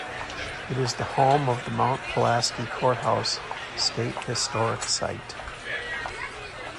It is the home of the Mount Pulaski Courthouse State Historic Site.